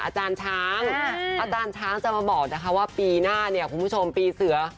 อาจารย์ช้างอาจารย์ช้างจะมาบอกนะคะว่าปีหน้าเนี่ยคุณผู้ชมปีเสือ